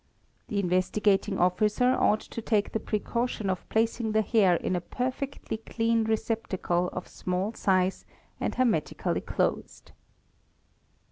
The Investigating Officer ought to take the precaution of — placing the hair in a perfectly clean receptacle of small size and hermeti cally closed.